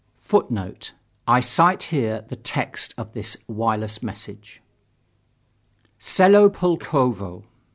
[Footnote: I cite here the text of this wireless message: "Selo Pulkovo.